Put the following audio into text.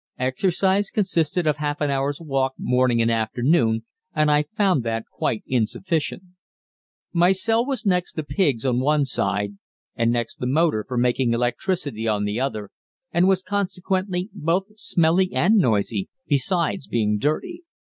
Exercise consisted of half an hour's walk morning and afternoon, and I found that quite insufficient. My cell was next the pigs on one side and next the motor for making electricity on the other, and was consequently both smelly and noisy, besides being dirty.